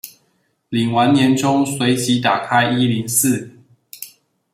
領完年終隨即打開一零四